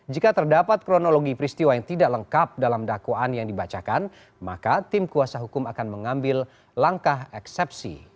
jika terdapat kronologi peristiwa yang tidak lengkap dalam dakwaan yang dibacakan maka tim kuasa hukum akan mengambil langkah eksepsi